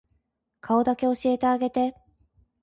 顔だけ教えてあげて